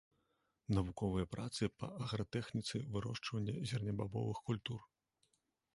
Навуковыя працы па агратэхніцы вырошчвання зернебабовых культур.